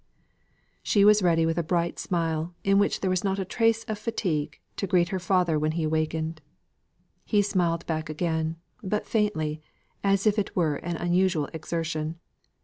She was ready with a bright smile, in which there was not a trace of fatigue, to greet her father when he awakened. He smiled back again, but faintly, as if it were an unusual exertion.